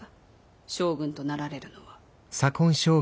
将軍となられるのは。